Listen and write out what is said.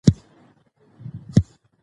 که مدرسې کې مینه وي نو زده کړه اسانه ده.